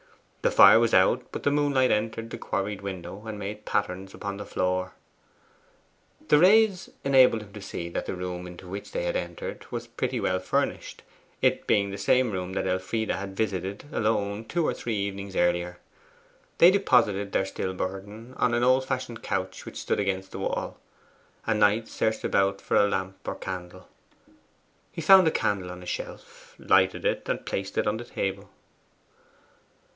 The fire was out, but the moonlight entered the quarried window, and made patterns upon the floor. The rays enabled them to see that the room into which they had entered was pretty well furnished, it being the same room that Elfride had visited alone two or three evenings earlier. They deposited their still burden on an old fashioned couch which stood against the wall, and Knight searched about for a lamp or candle. He found a candle on a shelf, lighted it, and placed it on the table.